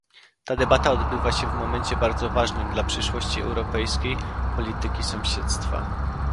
Ta debata odbywa się w momencie bardzo ważnym dla przyszłości europejskiej polityki sąsiedztwa